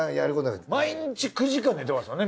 毎日９時間寝てますよね